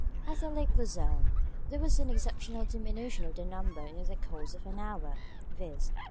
At the Lake of Lucerne there was an exceptional diminution of the number in the course of an hour, viz.